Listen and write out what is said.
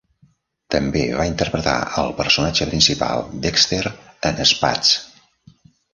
També va interpretar al personatge principal Dexter en "Spatz".